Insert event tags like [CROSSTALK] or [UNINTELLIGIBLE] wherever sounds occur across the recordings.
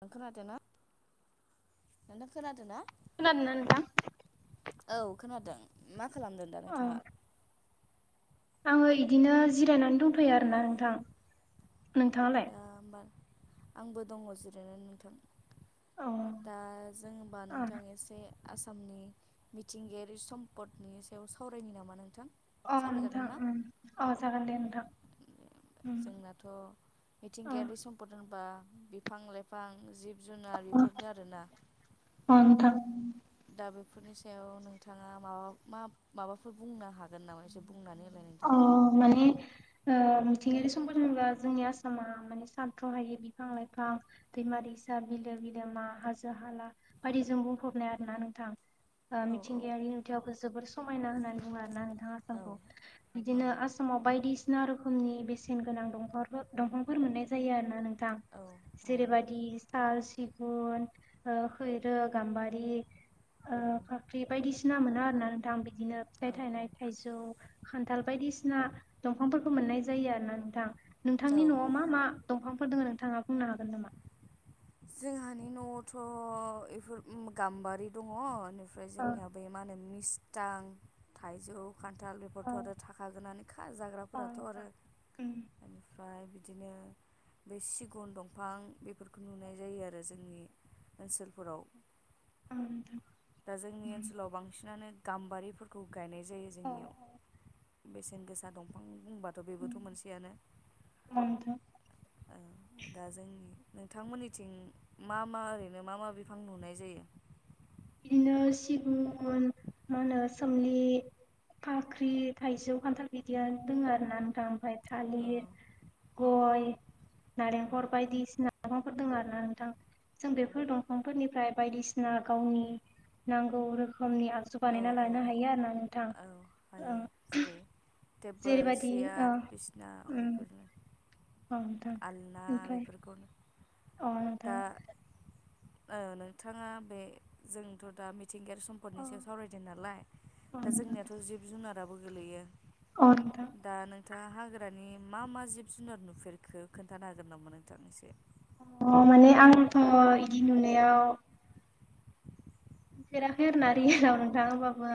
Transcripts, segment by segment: नों खोनादोंना, नोंथां खोनादों ना? खोनादों ना नोंथां? औ खोनादों मा खालामदों दा औ नोंथाङा? आङो बिदिनो जिरायनानै दंथैयो आरोना नोंथां। नोंथाङालाय? दा होमबा आंबो दङ जिरायनानै अ नोंथां। दा जों होनबा नोंथां एसे आसामनि मिथिंगायारि सम्पदनि सायाव सावरायनि नामा नोंथां? अ सावरायजागोन नोंथां ना उम अ जागोन। दे नोंथां उम जोंनाथ' अ मिथिंगायारि सम्पद होनबा बिफां लाइफां, जिब जुनार बेफोरनो आरोना। अ नोंथां दा बेफोरनि सायाव नोंथाङा माबा मा माबाफोर बुंनो हागोन नामा? एसे बुंनानै होलाय अ माने ओ मिथिंगायारि सम्फद होनोबा जोंनि आसामआ माने सानथ्र'हायि बिफां लाइफां, दैमा दैसा, बिलो बिलोमा, हाजो हाला बायदिजों बुंफबनाय आरोना नोंथां। ओ मिथिंगायारि नुथायावबो जोबोर समायना होननानै बुङो आरो ना नोंथाङा नोंथां औ आसामखौ। औ बिदिनो आसामाव बायदिसिना रोखोमनि बेसेन गोनां दंफांफोर दंफांफोर मोननाय जायो आरोना नों थां औ औ जेरै बायदि साल, सिगु गुन ओ खैरो, गाम्बारि ओ औ औ फाख्रि बायदिसिना मोनो आरोना नोंथां बिदिनो फिथाइ औ थायनाय थाइजौ खान्थाल बायदिसिना दंफांफोरखौ मोननाय जायो आरो ना नोंथां। औ नोंथांनि न'आव मा मा दंफांफोर दोङो नोंथाङा बुंनो हागोन नामा? जोंहानि न'आवथ' इफोर उम गाम्बारि दङ' इनि फ्राय औ जोंनिया बे मा होनो मिस्टां थाइजौ खान्थाल औ बेफोरथ' आरो थाखा गोनानोखा औ जाग्राफोराथ' आरो ओमफ्राय बिदि बिदिनो बे सिगुन दंफां बेफोरखौ नुनाय जायो आरो जोंनि ओनसोलफोराव नोंथां दा जोंनि उम ओनसोलाव बांसिनानो गाम्बारिफोरखौ गायनाय जायो औ नोंथां औ जोंनियाव बेसेन गोसा दंफां बुंबाथ' बेबोथ' मोनसेयानो औ नोंथां दा जोंनि नोंथांमोननि थिं मा मा ओरैनो मा मा बिफां नुनाय जायो बिदिनो सिगुन मा होनो सोमलि फाख्रि, थाइजौ, खान्थाल बिदिया दङ आरो ना नोंथां ओमफ्राय थालिर, गय, औ नारेंखल बायदिसिना लाइफांफोर दङ आरो ना नोंथां। जों बेफोर दंफांफोरनिफ्राय गजु औ बानायना औ लानो औ हायो आरोना नोंथां, औ ओ हायो जेरै टेबोल, जेरैबायदि सियार, बिसना उम बेफोरनो औ नोंथां आलना ओमफ्राय बेफोरखौ अ दा नोंथां ओ नोंथाङा बे जोंथ' दा मि थिंगायारि अ सम्पदनि सायाव सावरायदों नालाय अ दा नोंथां जोंनियाथ' जिब जुनाराबो गोलैयो। अ नोंथां नोंथा हाग्रानि मा-मा जिब जुनार नुफेरखो खोनथानो हागोन नामा नोंथां एसे? अ माने आंथ' इदि नुनायाव नुफेराखै आरो ना रियेलाव नोंथां। होमबाबो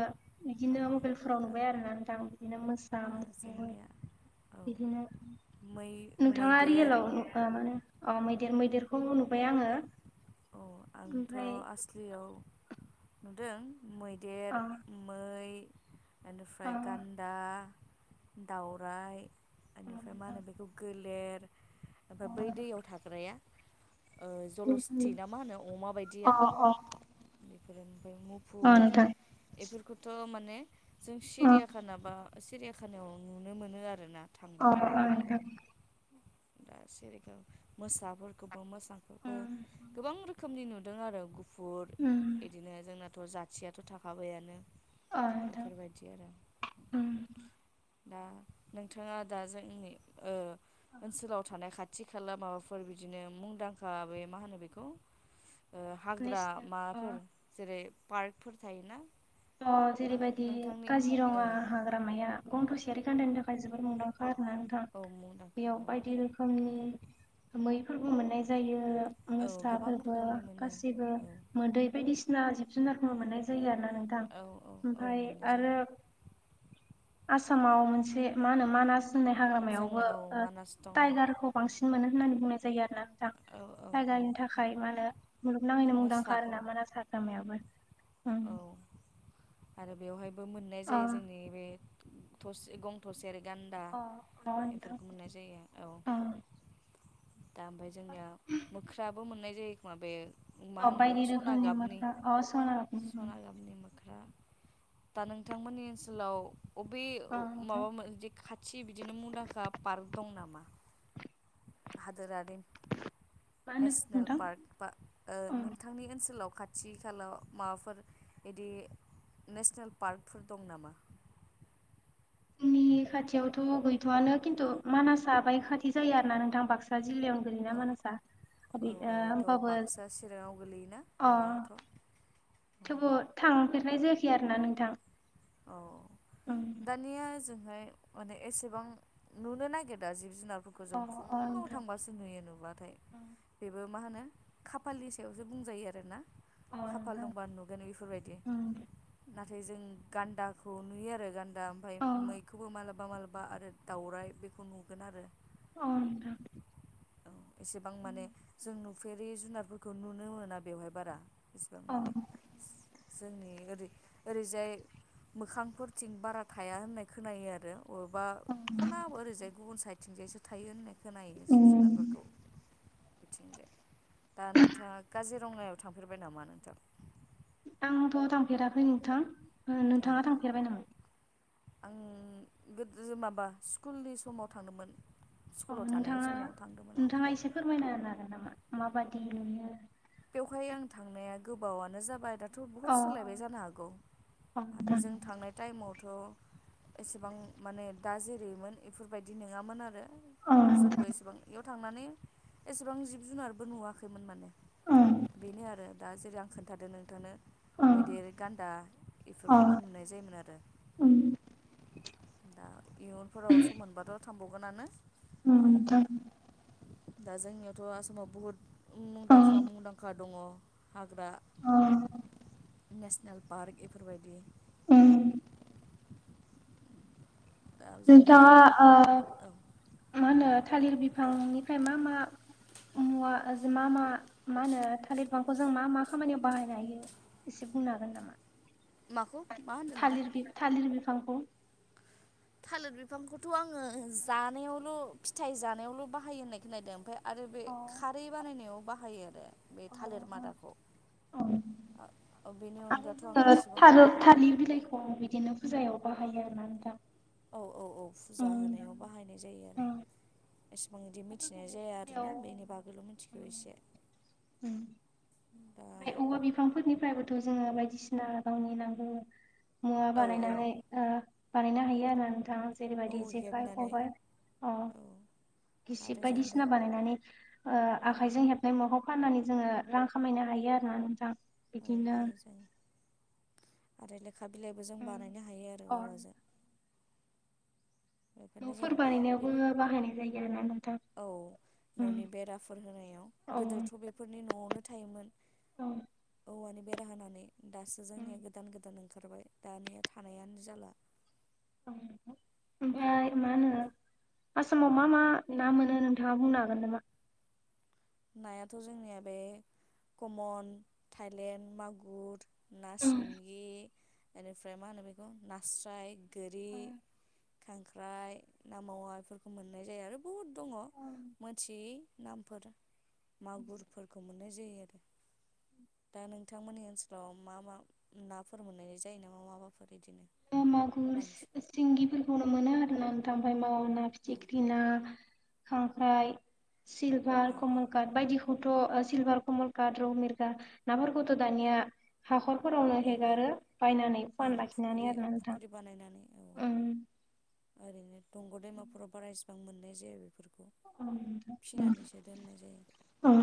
औ बिदिनो मबाइलफोराव दा नुबाय आरो ना नोंथां बिदिनो मो दा जोंनिया औ बिदिनो मै नोंथाङा मैदेर रियेलाव मा होनो अ मैदेर मैदेर खौ नुबाय आङो। औ आंथ' ओमफ्राय आसलियाव नुदों, अ मैदेर, मै बेनिफ्राय अ गान्दा, दाउराइ बेनिफ्राय मा होनो बेखौ गोलेर ओमफ्राय बै दैयाव थाग्राया जलस्थि ना मा होनो अमा अ बायदिया? बेफोरो ओमफ्राय अ मुफुर नोंथां बेफोरखौ थ' माने जों अ सिरियाखाना बा सिरियाखानायाव नुनो मोनो आरोना। अ थांबाथाय अ बेफोरखौ नोंथां दा सेरेखम मोसाफोरखौ बे मोसाखौबो उम गोबां रोखोमनि नुदों आरो गुफुर उम बिदिनो जोंनाथ' जाथियाथ' थाखाबायानो आदा बेफोरबायदि आरो ओम दा नोंथाङा दा जोंनि ओ ओनसोलाव थानाय खाथि खाथि खाला माबाफोर बिदिनो मुंदांखा बे मा होनो बेखौ हाग्रा नेसनेल अ माबाफोर जेरै पार्कफोर थायोना अ दा जेरैबायदि नोंथांनि काजिरङा ओं हाग्रामाया औ गं थसेयारि गान्दानि थाखाय जोबोद मुंदांखा। आरोना नोंथां औ मुंदांखा बेयाव औ बायदि रोखोमनि मैफोरबो मोननाय जायो, औ गोबां मोसाफोरबो रोखोमनि मोनो गासिबो औ मोदै बायदिसिना जिब जुनारखौ मोननाय जायो आरो ना नों नोंथां औ औ औ ओमफ्राय मोननाय जायो। आसामाव मोनसे मा होनो मानास होननाय जोंना हाग्रामायावबो औ मानास दङ टाइगारखौ बांसिन मोनो होननानै बुंनाय जायो आरो ना। नोंथां औ औ औ टाइगारनि थाखाय मा होनो मुलुगनाङैनो मुंदांखा मोसाखौ आरोना मानास हाग्रामायाबो ओम औ आरो बेवहायबो मोननाय जायो जोंनि बे थसे गं थसेआरि गान्दा अ नोंथां बेफोरखौ मोननाय जायो औ अ दा ओमफ्राय जोंनिया मोख्राबो मोननाय जायो खोमा बे मा [UNINTELLIGIBLE] होनो बेखौ बायदि सना रोखोमनि गाबनि मोसा अ सना गाबनि सना गामनि मोख्रा दा नोंथांमोननि ओनसोलाव अबे अ नोंथां माबा मोन जे खाथि बिदिनो मुंदांखा पार्क दं नामा? [INAUDIBLE] हादोरारि मा होनदों नेसनेल नोंथां पार्क बा ओ अ नोंथांनि ओनसोलाव खाथि खालाव माबाफोर बिदि नेसनेल पार्कफोर दं नामा? जोंनि खाथियावथ' गैथ'आनो। खिन्थु मानासा बाय खाथि जायो आरो ना नोंथां बाक्सा। जिल्लायाव गोलैयो ना औ मानासा। औ औथ' बाक्सा चिराङाव गोलैयोना अ बेयोथ'? थेवबो थांफेरनाय जायाखै आरोना नोंथां। औ उम दानिया जों ओमफ्राय माने एसेबां नुनो नागिरदों जिब जुनार अ जों अ फुङाव नोंथां थांबासो नुयो नुबाथाय बेबो मा होनो खाफालनि सायावसो बुंजायो आरोना। अ खाफाल नोंथां दंबा नुगोन बेफोरबायदि उम नाथाय जों गान्दाखौ नुयो आरो गान्दा ओमफ्राय अ मैखौबो मालाबा माबलाबा आरो दाउराइ बेखौ नुगोन आरो। औ नोंथां। औ एसेबां माने जों नुफेरि जुनारफोरखौ नुनो मोना बेवहाय बारा। एसेबां अ माने। जोंनि ओरै ओरैजाय मोखांफोरथिं बारा थाया होननाय खोनायो आरो। बबेबा खना ओरैजाय गुबुन साइडथिंजायसो थायो होननाय खोनायो जिब उम जुनारफोरफोरखौ। बिथिंजाय दा नोंथाङा काजिरङायाव थांफेरबाय नामा नोंथां? आंथ' थांफेराखै नोंथां अ नोंथाङा थांफेरबाय नामा? आं गोदो माबा स्कुलनि समाव थांदोंमोन। अ स्कुलाव थानाय नोंथाङा समाव थांदोंमोन नोंथाङा एसे फोरमायना होन हागोन नामा माबादि नुयो? बेवहाय आं थांनाया गोबावानो जाबाय दा थ' बुहुद अ सोलायबाय जानो हागौ अ आरो नोंथां जों थांनाय टाइमावथ' एसेबां माने दा जेरैयोमोन बेफोरबायदि नङामोन आरो। अ नोंथां जोंबो एसेबां बेयाव थांनानै एसेबां जिब जुनारबो नुवाखैमोन माने। अ बेनो आरो दा जेरै आं खोन्थादों नोंथांनो। अ मैदेर गान्दा अ बेफोरखौनो नुनाय जायोमोन आरो। उम दा इयुनफोराव स मोनबाथ' थांबावगोनानो। ओम नोंथां। दा जोंनियावथ' आसामाव बुहुत अ मुंदांखा मुंदांखा दङ हाग्रा। नेसनेल पार्क बेफोरबायदि। उम दा जोंनिया नोंथाङा ओ मा औ होनो थालिर बिफांनिफ्राय मा मा मुवा मा मा मा होनो थालिर बिफांखौ जों मा मा खामानियाव बाहायनो हायो। एसे बुंनो हागोन नामा? माखौ मा होनदों नोंथां थालिर थालिर बिफांखौ। थालिर बिफांखौथ' आङो जानायावल' फिथाइ जानायावल' बाहायो होननाय खोनदों ओमफ्राय आरो बे अ खारै बानायनायाव बाहायो आरो बे थालिर मादाखौ। औ बेनि आरो अनगाथ' आं जोङो एसेबां था-थालिर बिलाइखौ बिदिनो फुजायाव बाहायो आरोना नोंथां। औ औ औ फुजा उम होनायाव बाहायनाय जायो आरो। उम एसेबां बिदि मिथिनाय बेफोरखौबो जाया फुजायाव आरोना बेनि बागैल' मिथिगौ उम एसे। उम दा ओमफ्राय औवा बिफांफोरनिफ्रायबोथ' जोङो बाय सिना गावनि नांगौ मुवा औ औ बानायनानै ओ बानायनो हायो आरो ना नोंथां। जेरै औ बायदि जेखाय हेबनानै खबाय अ'। औ आरो जों बे बायदिसि बानायनानै औ आजों हेबनाय म न फाननानै जोङो रां खामायनो हायो आरो ना नोंथां। बिदिनो बेवहाय जों आरो लो [UNINTELLIGIBLE] बिलाइबो जों बानायनो हायो आरो अ औवाजों। बेफोरनो नफोर जों बानायनायावबो बाहायनाय जायो आरोना नोंथां। औ उम ननि बेराफोर होनायाव औ गोदोथ बेफोरनि नआवनो थायोमोन। औ। औवानि बेरा होनानै दासो जोंनिया गोदान गोदान ओन ओंखारबाय दानिया थानायानो जाला। औ ओमफाय मा होनो आसामाव मा मा ना मोनो नोंथाङा बुंनो हागोन नामा? नायाथ जोंनिया बे कमन थायलेण्ड मागुर ना सिंगि बेनिफ्राय मा होनो बेखौ नास्राय गोरि खांख्राइ ना मावा बेफोरखौ मोननाय जायो आरो बुहुद दङ मोनथियि नामफोर मागुरफोरखौ मोननाय जायो आरो दा नोंथांमोननि ओनसोलाव मा मा नाफोर मोननाय जायो नामा माबाफोर? बिदिनो मागुर बांसिन सिंगिफोरखौनो मोनो आरो ना नों जां आमफ्राय मावा ना औ फिथिख्रि ना खांख्राइ सिलभार औ कमल काट बायदि थ सिलभार कमल काट रौ मिरगा नाफोरखौथ दानिया हाखर फोरावनो औ औ हेगारो बायनानै ओं फुवान लाखि फुख्रि फुख्रि बानायनानै औ ओरैनो दंग दैमाफोराव बाराएस मोननाय जाया बेफोर औ नोंथां जायो औ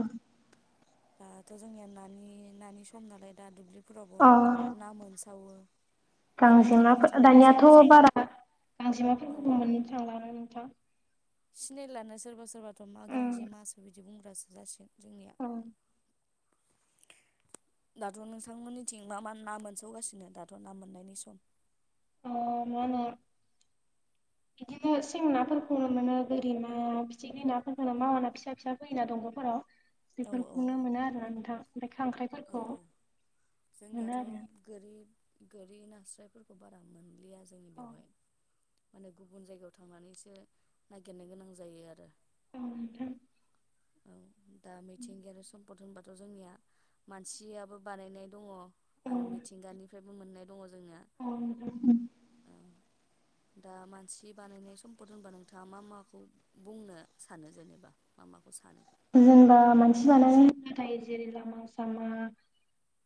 दाथ जोंनिया नानि नानि सम नालाय दा दुब्लिफोराव अ ना मोनसावो दा नोंथांमोननिथिं गांजेमाफोर मोननाय दानियाथ जायोना जाया बारा औ गांजेमाफोरखौबो मोननो थांला ना नोंथां? सिनायलानो सोरबा सोरबाथ मा उम गांजेमासो बिदि बुंग्रासो जासिगोन जोंनिया दाथ नोंथांमोननिथिं मा मा ना मोनसावगासिनो दाथ ना मोननायनि सम? अ मा ना? [INAUDIBLE] बिदिनो सें नाफोरखौनो मोनो बोरिमा फिथिख्रि नाफोरखौनो मावाना फिसा फिसा फैयोना दंगफोराव औ औ बेफोरखौनो मोनो आरो ना नोंथां ओमफाय खांख्राइ औ औ जोंनियाथ आरो गोरि गोरि नास्रायफोरखौ बारा मोन थांलिया जोंनि बेवहाय औ माने गुबुन जायगायाव थांनानैसो नागिरनो गोनां जायो आरो औ नोंथां औ दा मिथिंगायारि सम्पद होनबा थ जोंनिया मानसियाबो बानायनाय दङ औ आरो मिथिंगानिफ्रायबो मोननाय दङ जों औ नंगौ उम [INAUDIBLE] दा मानसि बानायनाय सम्पद होनबा नोंथाङा मा माखौ बुंनो सानो जेनेबा मा माखौ? सानो जेनेबा मानसि बानायनाय होनब्लाथाय जेरै लामा सामा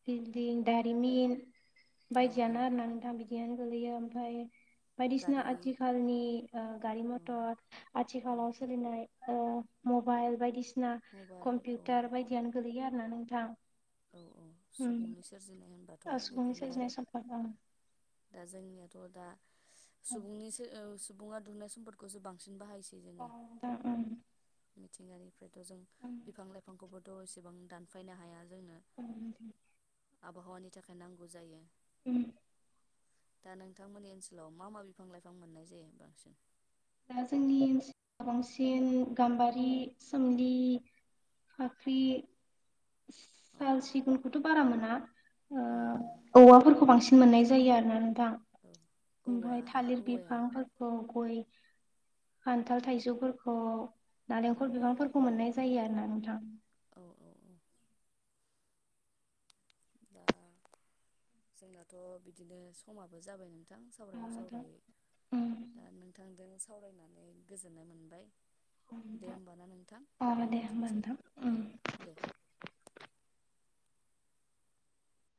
बिलदिं दारिमिन औ औ बायदियानो आरोना नोंथां बिदियानो गोग्लैयो ओमफ्राय बायदिसिना गारि आथिखालनि ओ गारि औ मथर औ आथिखालाव सोलिनाय ओ मबाइल बायदिसिना मबाइल औ कम्पिउटार बायदियानो गोलैयो आरो ना नोंथां औ औ सुबुंनि सोरजिनाय उम होनबाथ' बेफोरनो आरो [UNINTELLIGIBLE] दा जोंनियाथ दा सुबुंनिसो ओ सुबुङा दुहुननाय सम्पदखौसो बांसि अ दा उम मिथिंगानिफ्रायथ' जों बिफां लाइफांखौबोथ' एसेबां दानफायनो हाया जों। औ नोंथां। आबहावानि थाखाय नांगौ जायो। उम दा नोंथांमोननि ओनसोलाव मा मा बिफां लाइफां मोननाय जायो बांसिन? दा जोंनि ओनसोलाव बांसिन गाम्बारि, सोमलि फाख्रि अ साल अ सिगुनखौथ' बारा मोना उम उम ओ औवाफोरखौ बांसिन मोननाय जायो आरो ना नोंथां औ औवा ओमफ्राय आरो थालिर औवायानो बिफांफोरखौ गय खान्थाल थाइजौफोरखौ औ नारेंखल बिफांफोरखौ मोननाय नारेंखल जायो आरो ना नोंथां। औ औ औ ओ जोंनाथ' बिदिनो समाबो जाबाय मोन। बिथां सावरायै औ नोंथां सावरायै उम दा नोंथांजों सावरायनानै गोजोननाय मोनबाय। औ दे नोंथां होमबा ना नोंथां अ दे होमबा दोनलायदिनिसै नोंथां औ उम दे।